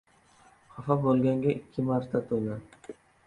• Xafa bo‘lganga ikki marta to‘la.